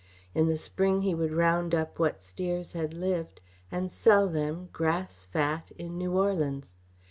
In the spring he would round up what steers had lived and sell them, grass fat, in New Orleans.